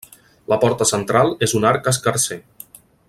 La porta central és un arc escarser.